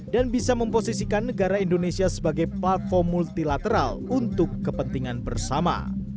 dan bisa memposisikan negara indonesia sebagai platform multilateral untuk kepentingan bersama